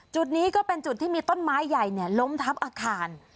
จุดนี้ก็เป็นจุดที่มีต้นไม้ใหญ่ล้มทับอาคาร